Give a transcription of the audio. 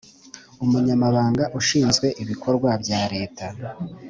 Umunyamabanga ashinzwe ibikorwa bya leta